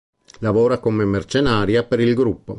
Lavora come mercenaria, per il gruppo.